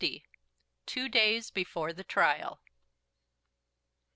TWO DAYS BEFORE THE TRIAL.